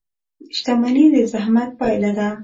• شتمني د زحمت پایله ده.